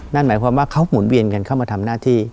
นั่นหมายความว่าเขาหมุนเวียนกันเข้ามาทำหน้าที่